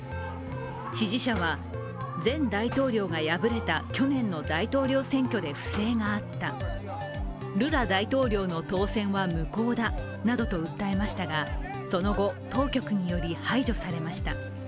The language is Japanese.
支持者は、前大統領が敗れた去年の大統領選挙で不正があった、ルラ大統領の当選は無効だなどと訴えましたがその後、当局により排除されました。